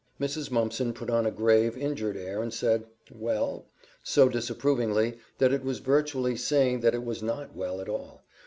Mrs. Mumpson put on a grave, injured air, and said, "Well," so disapprovingly that it was virtually saying that it was not well at all.